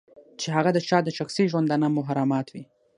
چې هغه د چا د شخصي ژوندانه محرمات وي.